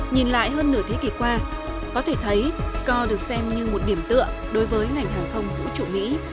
nhìn lại hơn nửa thế kỷ qua có thể thấy score được xem như một điểm tựa đối với ngành hàng thông vũ trụ mỹ